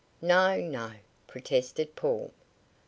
"No, no!" protested Paul.